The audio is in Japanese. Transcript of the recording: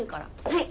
はい。